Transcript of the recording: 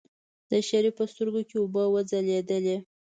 د شريف په سترګو کې اوبه وځلېدلې.